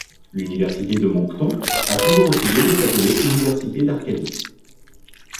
L'Université de Moncton a toujours refusé de s'appeler Université d'Acadie.